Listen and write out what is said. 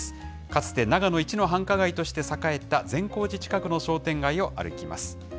かつて、長野一の繁華街として栄えた善光寺近くの商店街を歩きます。